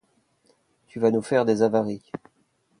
Tu vas nous faire des avaries.